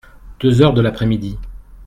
Deux heures de l'après-midi.